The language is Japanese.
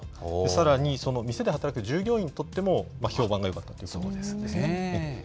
さらにその店で働く従業員にとっても、評判がよかったということです。